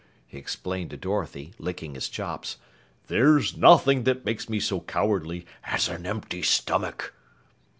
he explained to Dorothy, licking his chops. "There's nothing that makes me so cowardly as an empty stomach!"